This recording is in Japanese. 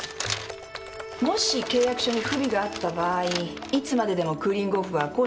もし契約書に不備があった場合いつまででもクーリングオフは行使できるの。